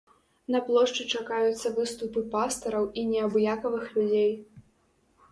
На плошчы чакаюцца выступы пастараў і неабыякавых людзей.